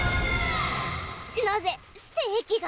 なぜステーキが。